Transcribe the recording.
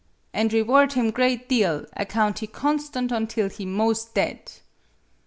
'an' reward him great deal, account he constant ontil he 'mos' dead.